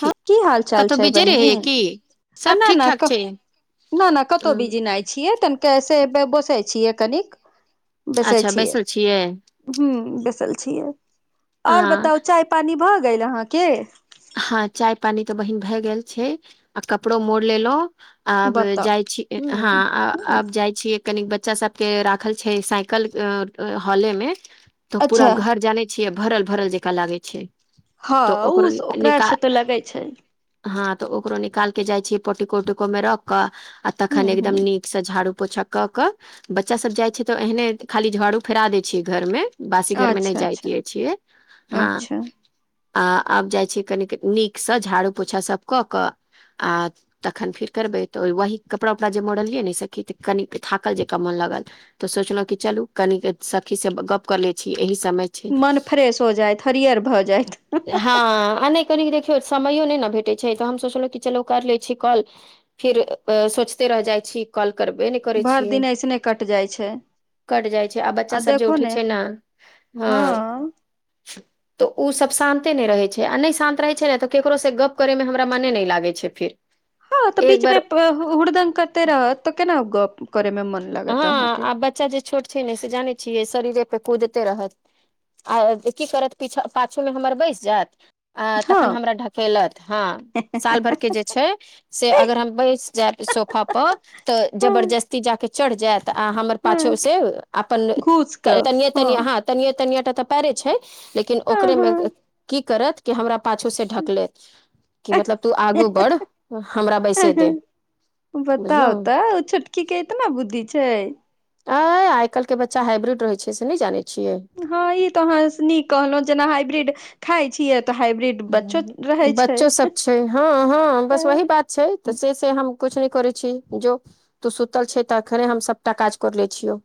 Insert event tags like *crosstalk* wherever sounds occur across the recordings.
हँ की हाल चाल कतहु छै बिजी रहियै बहिन की सब अना ठीक न ठाक क छै न न कतो हम्म, बीजी नय छियै तन कैसे है बसै छियै कनिक बेसे अच्छा छियै। बैसल ह बेसल छियै अ ओर बताउ चाय पानी भऽ गेल अहाँके हँ चाय पानी तऽ बहिन भए गेल छै आ कपड़ो मोड़ लेलो आब जाइ छी बताउ हँ ह आब जाइ छी कनी बच्चा सब के राखल छै साइकल हॉले में त पूरा अच्छा घर जाने छिय भरल भरल जेका लागे छीये हँ उ स नीक हँ तऽ ओकरो निकाल के जाइ छी पोटिको उटको मे रख क आ ह तखान ह एकदम नीक से झाड़ू पोछा क के बच्चा सब जाइ छै तऽ एहने खाली झाड़ू फेरा देय छियै घर में बासी घर मे नै अच्छा जाइत् अच्छा दिया छियै हँ अच्छा आ आब जाइ छी कनिक नीकसँ झाड़ू पोछा सभ कऽ कऽ आ तखन फेर करबै तऽ वही कपड़ा उपड़ा जे मॉरलियै ने सखी तऽ कनि थाकल जेक मोन लागल तऽ सोचलौ क चलू कनी सखी से गप कर ले छी एहि समय छै मन फ्रेश हो जायत हरियर भऽ जायत कनिक देखियौ समयो नै ने भेटै छै तऽ हम सोचलहुँ कि चलू कर लै छी कॉल फिर सोचते रह जाइ छी कॉल करबे नै करै भरि छी। दिन ऐसने कट जाइ छै कटि जाइ छै आ बच्चा सब जे उठै छै ने हँ तऽ ओ सब शान्ते नै रहै छै आ नै शान्त रहै छै ने तऽ केकरो से गप करे मे हमरा मने नै लागै छै फिर हँ तऽ एक बीच मे बार हुड़दंग करते रहत तऽ केना गप करे मे मन हँ लागत अहाँके आब बच्चा जे छोट छै ने से जानै छियै शरीरे पे कूदते रहत आ की करत पीछा पाछूमे हमर बैसि जायत आ तखन हँ हमरा ढकेलत हँ साल भर के जे छै से अगर हम बैस जायब सोफा पर तऽ हँ जबरजस्ती जाके चढ़ जायत तऽ आ हमर पाछो हँ से अपन घूस कऽ तनिये तनिये हँ ह तनिये तनिये टा तऽ पैरे छै। लेकिन हँ हँ ओकरेमे की करत कि हमरा पाछूसँ ढकलेत कि मतलब तू आगू बढ़ हमरा बैसे तौ बुझलौ बताउ *unintelligible* के इतना बुद्धि छै। अ आइ काल्हिके बच्चा हाइब्रिड रहै छै से नै जानै छियै हँ ई तऽ अहाँ नीक कहलहु जेना हाइब्रिड खााय छीयै तऽ हाइब्रिड बच्चो रहै छै बच्चो सब छै हँ हँ बस तऽ वही बात छै तऽ से से हम कुछ नै करै छी जो तू सुतल छै तखने हम सबटा काज कर लेय छियो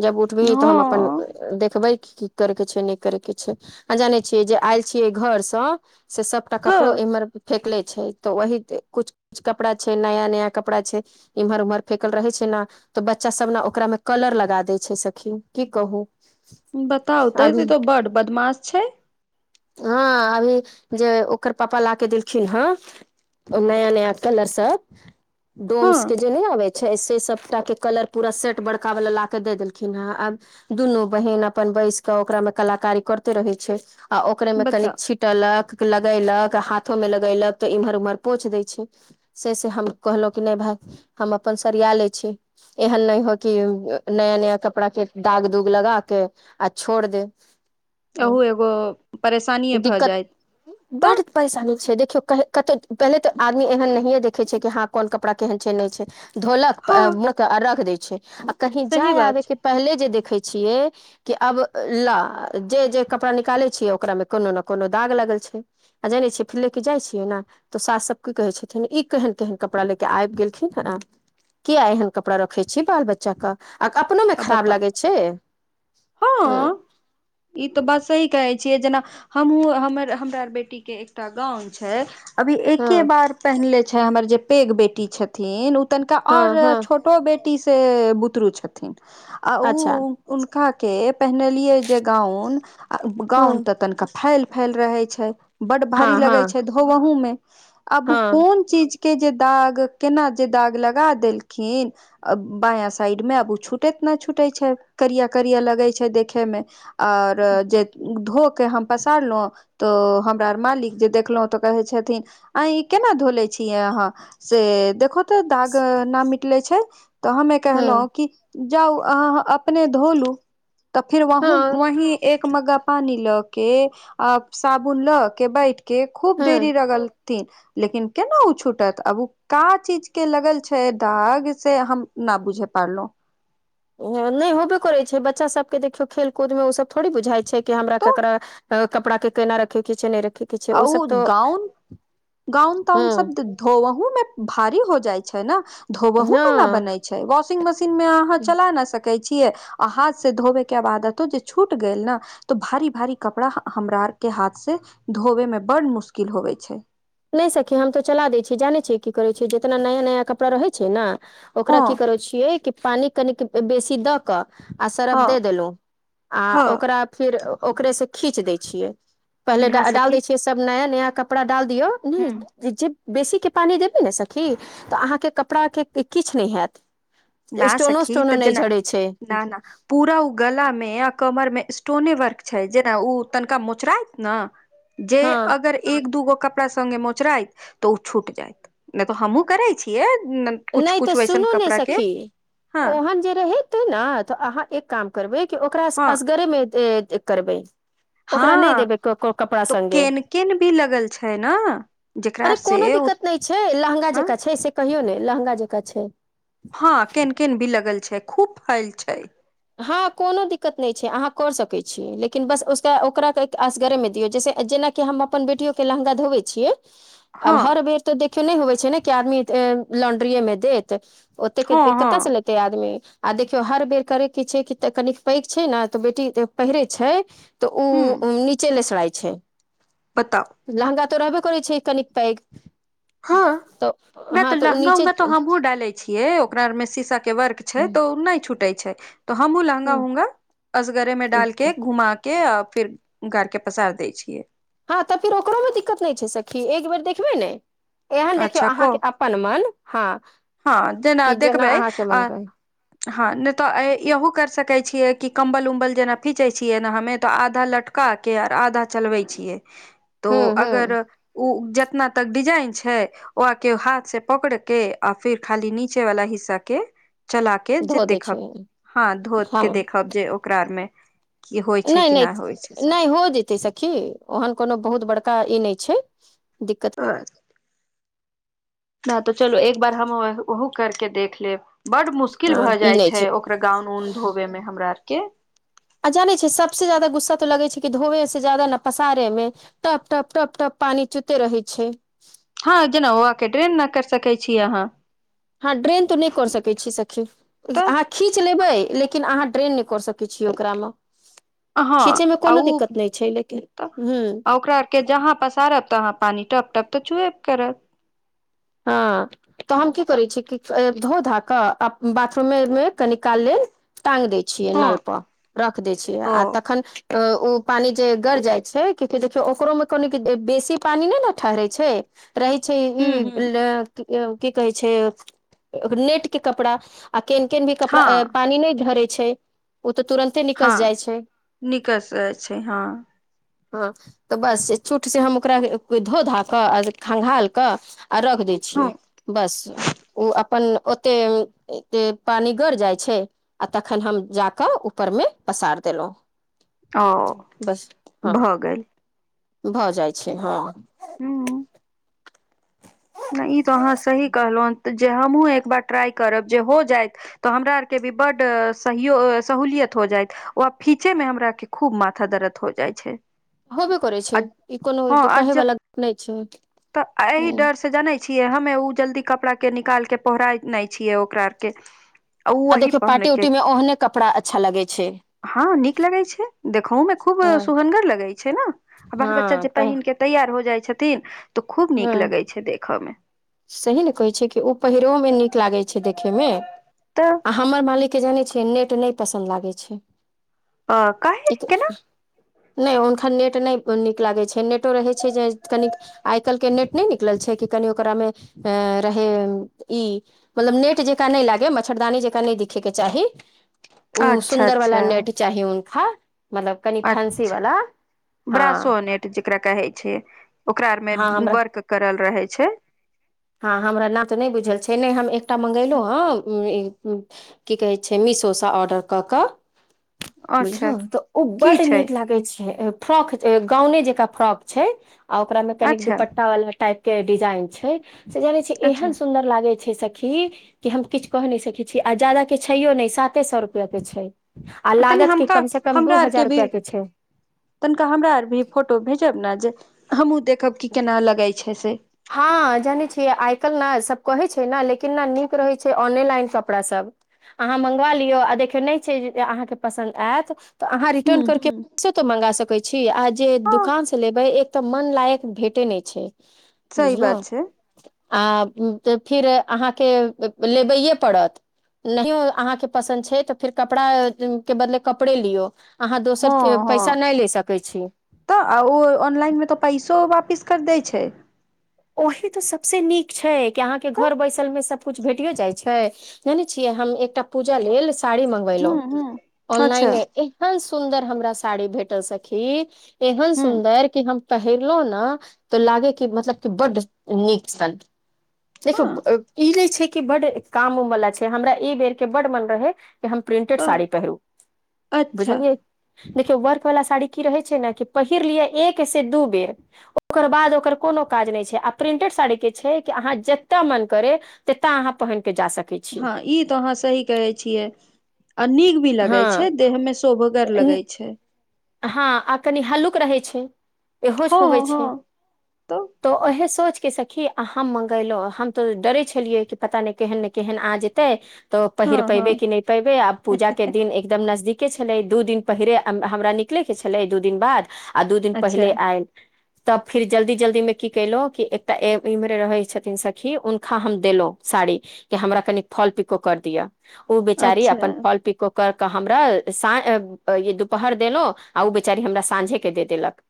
जब उठबीही तऽ हम अपन हँ देखबै की करयके छैय नै करयके छैय आ जानै छियै जे आयल छियै घर सस। से सबटा कपड़ो हँ एमेर फेेकले छै। तऽ वही कुछ कुछ कपड़ा छै नया नया कपड़ा छै। इम्हर उम्हर फेेकल रहै छै ने तऽ बच्चा सब ने ओकरामे कलर लगा दै छै सखिन की कहू बताउ त अभी *unintelligible* बड बदमाश छै हॉ अभी जे ओकर पापा ला के देलखिन हन नया नया कलर सब हँ डोम्स के जे नै आबै छै से सबटाके कलर पूरा सेट बड़कावला ला कऽ दे देलखिन हँ आब दुनू बहिन अपन बैस क ओकरामे कलाकारी करते रहै छैय आ ओकरे मे कनी बताउ छिट। टलक लगेलक हाथो में लगैलक तऽ इम्हर उम्हर पोछ दै छै से से हम कहलहुँं की नै भाय हम अपन सरिया लै छी। एहन नै होय कि नया नया कपड़ा के दाग दूग लगा के आ छोड़ दे अहूँ एगो परेशानिएक्षभऽ दिक्कत जाय बड परेशानी छै देखियौ कतहु पहिले तऽ आदमी एहन नहियए देखै छै कि हाँ कोन कपड़ा केहेन छै नहि छै धोलक हँ रख *unintelligible* देय छै आ कहीं सही जाय बात आबे के छै पहले जे देखे छियए कि आब ला जे जे कपड़ा निकालै छियै ओकरामे कोनो ने कोनो दाग लागल छै आ जानने छियै फिर ले क जाइ छियै ने तऽ सास सब की कहै छथिन इ केहन केहन कपड़ा ले कऽ आबि गेलखिन हे किया एहन कपड़ा रखे छी बाल बच्चा के आक अपनो मे आब खराब बताउ लगै छै ह इ तऽ बात सही कहे छियै जेना हमूँह हमर हमरा बेटी के एकटा गाउन छै अभी एके हँ बार पहिनले छै हमर जे पैघ बेटी छथिन उ तनिका हँ और हँ छोट *unintelligible* बेटी से बुतरू छथिन आ ओ अच्छा उनका के पहनलिये जे गाउन हँ गाउन त तनिका फैल फैल रहै छै बड भारी हँ लगे हँ छै धोबहु में आब हँ कोन चीज के जे दाग केना जे दाग लगा देलखिन अ बाया साइड मे छूटेैत न छूटे छै करिया करिया लगे छै देखे मे आओर जे धो के हम पसारलहुँ तऽ हमरा आ मालिक जे देखलहुँ तऽ कहै छथिन आइ ई केना धोले छियै अहाँ से देखो तऽ दाग न मिटले छै तऽ हमे हँ कहलहुं की जाउ अहाँ अपने धो लू तऽ फिर वोहू हँ वही एक मग्गा पानी लऽ के साबुन ल के बैठ के खूब देरी हँ रगल ती लेकिन केना ओ छूटत आब ओ का चीज के लगल छैय दाग से हम न बुझे पारलहुॅं नहि होबे करैत छैय बच्चा सबके जे देखियौ खेल कूदमे ओसब थोड़ी बुझाइ छैय कि हमरा तो ककरा तऽ कपड़ा के केना रखे कीछे नहि रखि आउद गाउन गाउन ताउन हँ सबदद धोवहुंऽ मे भारी हो जाइ छै न धोवहुंऽ मे न हँ बनै छै वाशिंग मशीन मे आ चला नै सकै छियै आ हाथ स धोबे के आब आदतो जे छूट गेल न तो भारी भारी कपड़ा हमरा आर के हाथ से धोवे मे बड मुश्किल होवे छै नै सखी हम तऽ चला दै छीयै जानै छियै की करै छियै जितना नया नया कपड़ा रहै छैय ना ओकरा हँ की करै छियै कि पानी कनिक बेसी दऽ कऽ आ सरफ हँ दे देलौं हँ आ ओकरा फेर ओकरेसँ खीच दैय छियै पहिले डाल दैय छियै सब नया नया कपड़ा डाल दियऔ ह नै जेब बेसीके पानि देबय ने सखी तऽ अहाँके कपड़ाके किछ नै हैत ना स्टोनो सखी स्टोनो तऽ नहि जेना झड़ै छै ना - ना। पूरा उ गला मे अऽ कमर मे स्टोने वर्क छैय जेना उ तनिका मोचरात नऽ जे हँ अगर एक दूगो कपड़ा सङ्गे मोचराइत तऽ ओ छूट जायत नै तऽ हमु करै छियै कुछ नहि कुछ वैसन कपड़ा के हाँ आज जे रेहेते ना तऽ अहाँ एक काम करबै कि ओकरा हँ असगरे मे ए - एतै करबै। ओकरा नहि हाँ देबै क- क- कपड़ा तो संगे केन केन भी लगल छैय न। जेकरा अरे से कोनो उ दिक्कत नै छैय लहँंगा हँ जेकाँ छैय से कहियौ ने लहँंगा जेकाँ छैय। हाँ केन केन भी लगल छै खूब फैल छैय। हाँ कोनो दिक्कत नै छै अहाँ करऽ सकै छीये लेकिन बस उसका ओकरा तऽ आसगरे मे दियौ जेसे जेना के हम अपन बेटीयों के लहंगा धोवै छियै *unintelligible* आब हर बेर तऽ देखियौं ने होवे छै ने कि आदमी ए लॉंड्रीए में देत। ओते हँ केतेक हँ कतयसे लेते आदमी आ देखियौं हर बेर करे की छै कितेक कनिक पैघ छैय न तऽ बेटी त पहिरे छैय। तऽ उ नीचे लेसराए छैय। पताप। लहंगा तऽ रहबे करै छै कनिक पैग तऽ ने तऽ लहंगा नीचे उहंगा त हमहहुँ डाले छियै ओकरा ओर में शीशा के वर्क छै हम्म, तऽ उ ने छूटे छैय। त हमु लहंगा उहंगा असगरे में हम्म, डालके घुमा के आ फिर गार के पसार दै छियै। हाँ तऽ फिर ओकरो में दिक्कत ने छै सखी एक बेेर देखबे ने एहन देखियौ अहाँके अ अ पन मन हाँ। हाँ जेना देखबैं आ हाँ ने तऽ इहो कैर सकैत छियै कि कम्बल उम्बल जेना खींचे छियै न हमें तऽ आधा लटक कह के और आधा चलबै छियै। तो हूँ अगर हूँ उ जेतना तक डिजाइन छैय ओ के हाथ से पकड़ के आ फिर खाली नीचे वाला हिस्सा के चला के जे धो दै छै देखब हाँ धोत हँ के देख ब जे ओकरा आरमें ने - ने - ने हो जेतै सखी। ओहन कोनो बहुत बड़का ई ने छैय दिक्कत। *unintelligible* ना तऽ चलो एक बार हम ओहो करके देख लेब बड मुश मुश्किल हँ भऽ ई जाइ नहि छै ओकर गाउन ऊन धोवे में हमरा और के। आ जाने छैै सबसे ज्यादा गुस्सा त लगे छै कि धोवे से जायदा पसारे में। टप- टप- टप -टप पानी चुते रहै छैय। हाँ जेना ओआ के ड्रेन न कर सकै छीं अहाँ। हाँ ड्रेन तो ने कर सकै छीं सखी। तऽ अहाँ खींच लेबै लेकिन अहाँ ड्रेन नै कऽ सकै छीयै ओकरा म। हँ खींचैमें आ कोनो उ दिक्कत ने छै लेकिन तऽ हूँ। ओकरा आर के जहाँ पसारत तहा पानी टप -टप तऽ चुबे करत। हाँ। तऽ हम की करे छीं कि ए धो -धा कऽ बाथरूमें में कनि काल लेल टाँग दय छि छियै हँ नल पर रख दै छियै आ ओ तखन तऽ उ पानी जे गर जाइ छैय क्योंकि देखियों ओकरो में कनि बेसी पानी ने न ठहरे छैय। रहे छै हूँ हिब। हूँ दै ऐं की कहै छै ओकर नेट के कपड़ा आ केन -केन भी कपड़ा हँ पानी ने धरे छैय ओ तऽ तुरन्त हाँ निकेसे छैय हाँ। हँ तऽ बस चूटसँ हम ओकरा धो धा कऽ आ खँघालि कऽ आ रख दै हँ छियै बस ओ अपन ओते एते पानि गर जाइत छैय। आ तखन हम जा कऽ ऊपर में पसैर दलौ। ओ भऽ गेल। भऽ जाइ छै हँ हूँ नय ई तो अहाँ सही कहलौं जे हमहुँ एक बार ट्राई करब जे हो जाइत तऽ हमरा आर के भी बड्ड सहूलियत हो जाइत ओ खिछे मे हमरा आर के खूब माथा दरद हो जाइ छै होबे करै छै आ ई कोनो हँ आ कहे वाला गप्प नय छै तऽ एहि हँ डर से जानै छियै हमे ओ जल्दी कपड़ा के निकाल के पौहरा नय छियै ओकरा आर के ओ आ वही देखियौ पहने पार्टी के उटी मे ओहने कपड़ा अच्छा लगै छै। हँ नीक लगै छै देखोहो मे खूब हँ सुहगर लगै छै ने आ बाल बच्चा हँ जे पहि पहिन के तैयार हो जाइ छथिन तऽ खूब हँ नीक लगै छै देखऽ मे सही ने कहै छै कि ओ पहिरोओमे नीक लागैत छै देखेमे तऽ आ हमर मालिकके जानै छियै नेट नय पसन्द लागै छै अ, काहे एक केना नय हुनका नेट नय नीक लागै छै नेटो रहै छै जे कनिक आइ काल्हिके नेट नय निकलल छै कि कनी ओकरामे अ रहै ई मतलब नेट जेकाँ नय लागे मच्छरदानी जेकाँ नय दिखे के चाही ओ अच्छा सुन्दर वाला अच्छा नेट चाही हुनखा मतलब कनी फैंसी वाला हँ ब्रासो नेट जेकरा कहै छै ओकरा आर मे हँ हमरा वर्क करल रहेै छै हँ हमरा नाम तऽ नय बुझल छै नय हम एकटा मगेलौं हेन की कहै छै मिसो सँ ऑर्डर कऽ कऽ अच्छा बुझलौं तऽ ओ की बड्ड छै नीक लागै छै फ्रॉक गाउने जेका फ्रॉक छै आ ओकरा मे कनिक अच्छा दुपट्टा वाला टाइप के डिजाइन छै से जानै छियै अच्छा एहन सुन्दर लागे छै सखी कि हम किछु कहि नय सकैत छी आ जादा के छैयो नय साते सौ रुपया के छै। आ तनि लागत की हमका कम से कम दू हमरा हजार आरके भी रुपया के छै तनिका हमरा आर भी फोटो भेजब ने जे हमहूँ देखब की केना लगै छै से हँ जानै छियै आइ काल्हि ने सभ कहै छै न लेकिन ने नीक रहै छै ऑनेलाइन कपड़ासभ अहाँ मंगवा लियौ आ देख नय छै अहाँके पसन्द आयत तऽ अहाँ ह रिटर्न करके ह पैसो तो मंगा सकै छी आ जे हँ दुकान से लेबै एक तऽ मन लायक भेटै नय छै। सही बुझलौं बात छै आ फिर अहाँके लेबैए पड़त नहियो अहाँके पसन्द छै तऽ फेर कपड़ा के बदले कपड़े लियौ अहाँ दोसर हँ हँ पैसा नय ले सकै छी। तऽ आ ओ ऑनलाइनमे तऽ पैसो वापिस कर दै छै। ओही तऽ सबसे नीक छै कि अहाँके तऽ घर बैसल मे सभकुछ भेटियो जाइ छै जानै छियै हम एकटा पूजा लेल साड़ी मंगवेलौं हूँ हूँ अच्छा ऑनलाइने एहन सुन्दर हमरा साड़ी भेटल सखी। एहन हूँ सुन्दर कि हम पहिरलौं न तऽ लागै की मतलब बड्ड नीक सन हँ देखियौ ई नय छै कि बड्ड काम उम वला छै हमरा ई बेर के बड्ड मन रहै की हम प्रिंटेड हँ साड़ी पहिरू अच्छा बुझलियै देखियौ वर्क वला साड़ी की रहै छै ने कि पहिर लिय एक से दू बेर ओकर बाद ओकर कोनो काज नय छै आ प्रिंटेड साड़ी के छै कि अहाँ जेतऽ मन करे तेतऽ अहाँ पहिन के जा सकै छी हँ ई तो अहाँ सही कहै छियै आ नीक भी लगै हँ छै देह मे शोभगर न- लगै छै। हँ आ कनी हल्लुक रहै छै। इहो हँ छोवे हँ छै तऽ तो ओहे सोच के सक कि हम मंगेलहु हम तऽ डरै छलियै कि पता नय केहन ने केहन आ जेतै तऽ हँ पहिर हँ पेबे कि नय पेबे आब पूजा के दिन एकदम नजदीके छलै दू दिन पहिरे हमरा नीक निकले के छलै दू दिन बाद आ दू दिन अच्छा पहिले आय तब फिर जल्दी जल्दी मे की केलहुँ कि एकटा इम्हरे रहै छथिन सखी हुनखा हम देलौं साड़ी के हमरा कनी फाॅल पिको कर दिअ ओ बेचारी अपन अच्छा फाॅल पीको कर के हमरा सा दुपहर देलौं आ ओ बेचारी हमरा साँझे के दे देलक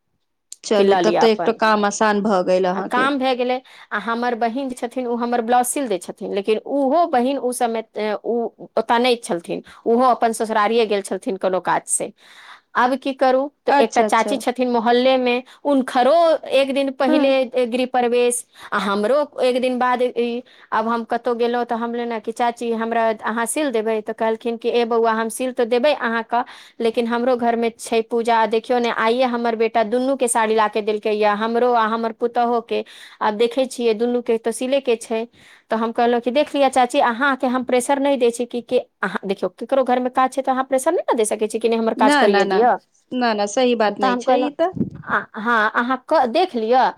कि चलू लऽ तब लिअ तऽ एकटा अपन काम आसान भऽ गेल आ अहाँके काम भए गेलै आ हमर बहिन जे छथिन ओ हमर ब्लाउज सिल दय छथिन लेकिन ओहो बहिन ओ समय ओतय नय छलथिन ओहो अपन ससुरारिए गेल छलथिन कोनो काज से आब की करू तऽ एकटा अच्छा अच्छा चाची छथिन मोहल्ले मे उनखरो एक दिन हँ पहिले गृहप्रवेश आ हमरो एक दिन बाद ई आब हम कतौ गेलौं तऽ हमले ने कि चाची हमरा अहाँ सिल देबै तऽ कहलखिन कि ए बौआ हम सिल तऽ देबै कहां क लेकिन हमरो घर मे छै पूजा देखियौ ने आइे हमर बेटा दुनू के साड़ी ला के देलकै या हमरो आ हमर पुतौहु के आब देखै छियै दुनू के त सीले के छै तऽ हम कहलौं कि देख लिअ चाची अहाँके हम प्रेशर नय दै छी कि अहाँ देखियौ केकरो घर मे काज छै तऽ आहां प्रेसर नय ने दे सै छिय कि नय हमर न काज न करिये न दिय न न सही बात त नहि हम छै ई कहलौं तऽ अहाँ देख लिअ